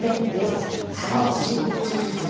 さあそして残りのねぎは。